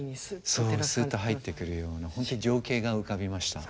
そうすっと入ってくるような本当に情景が浮かびました。